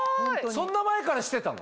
そんな前からしてたの？